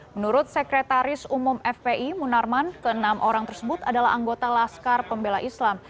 menurut sekretaris umum fpi munarman ke enam orang tersebut adalah anggota laskar pembela islam